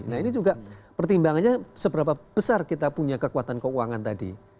nah ini juga pertimbangannya seberapa besar kita punya kekuatan keuangan tadi